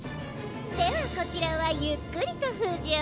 ではこちらはゆっくりとふじょう。